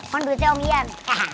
kalo duitnya om yan